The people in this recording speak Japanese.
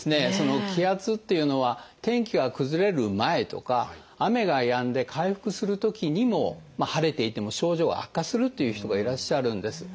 気圧というのは天気が崩れる前とか雨がやんで回復するときにも晴れていても症状が悪化するという人がいらっしゃるんです。